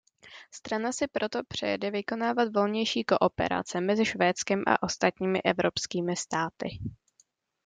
Strana si proto přeje vykonávat volnější kooperace mezi Švédskem a ostatními evropskými státy.